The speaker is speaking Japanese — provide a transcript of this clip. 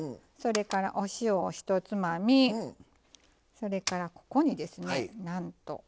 それからお塩を１つまみそれからここにですねなんと。